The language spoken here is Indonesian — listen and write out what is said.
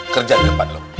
kerja di depan lo